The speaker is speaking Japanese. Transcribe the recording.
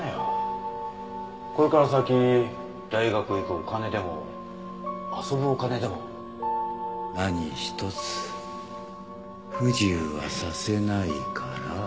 これから先大学行くお金でも遊ぶお金でも何一つ不自由はさせないから。